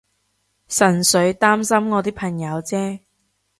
純粹擔心我啲朋友啫